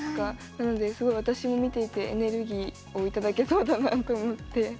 なので、すごい私も見ていてエネルギーをいただけそうだなと思って。